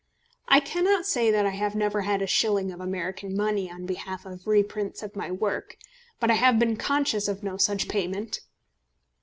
I cannot say that I have never had a shilling of American money on behalf of reprints of my work; but I have been conscious of no such payment.